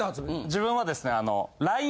自分はですね。